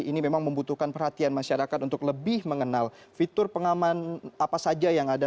ini memang membutuhkan perhatian masyarakat untuk lebih mengenal fitur pengaman apa saja yang ada